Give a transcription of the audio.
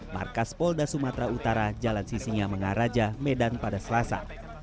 markas polda sumatera utara jalan sisinga mengaraja medan pada selasa